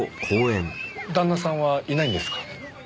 旦那さんはいないんですか？